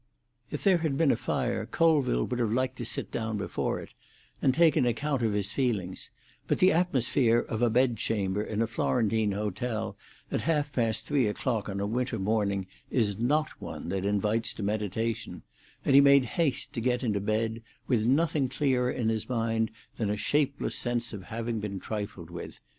If there had been a fire, Colville would have liked to sit down before it, and take an account of his feelings, but the atmosphere of a bed chamber in a Florentine hotel at half past three o'clock on a winter morning is not one that invites to meditation; and he made haste to get into bed, with nothing clearer in his mind than a shapeless sense of having been trifled with.